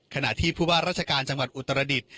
ขณะที่ผู้ว่าราชการจังหวัดอุตรดิษฐ์